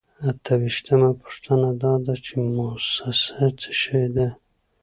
اته ویشتمه پوښتنه دا ده چې موسسه څه شی ده.